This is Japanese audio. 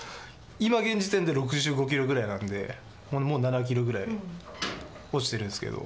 今現時点で６５キロぐらいなのでもう７キロぐらい落ちてるんですけど。